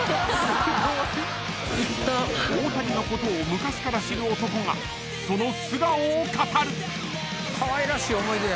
［大谷のことを昔から知る男がその素顔を語る］